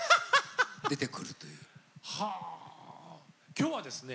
今日はですね